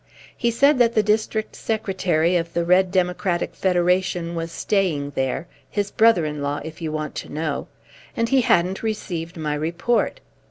He said that the District Secretary of the Red Democratic Federation was staying there his brother in law, if you want to know and he hadn't received my report.